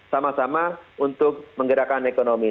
sama sama untuk menggerakkan ekonomi